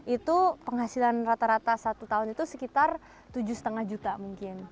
itu penghasilan rata rata satu tahun itu sekitar tujuh lima juta mungkin